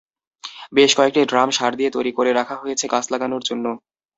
বেশ কয়েকটি ড্রাম সার দিয়ে তৈরি করে রাখা হয়েছে গাছ লাগানোর জন্য।